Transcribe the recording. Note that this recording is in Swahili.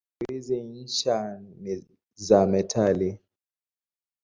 Siku hizi ncha ni za metali.